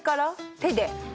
手で。